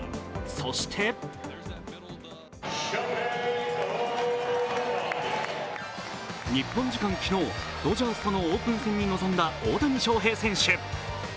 そして日本時間昨日、ドジャーズとのオープン戦に臨んだ大谷翔平選手。